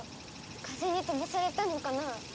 風にとばされたのかなあ？